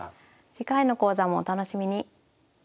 次回の講座もお楽しみに。